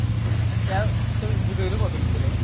ধর্মান্ধ লোকেরা কাজ করিতে পারে না।